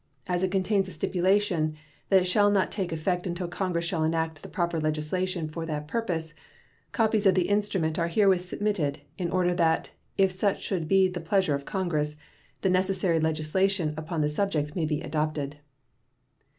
As it contains a stipulation that it shall not take effect until Congress shall enact the proper legislation for that purpose, copies of the instrument are herewith submitted, in order that, if such should be the pleasure of Congress, the necessary legislation upon the subject may be adopted.